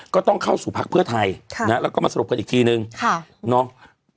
ก็ต้องเข้าสู่พักเพื่อไทยแล้วก็มาสรุปกันอีกทีนึงค่ะเนาะ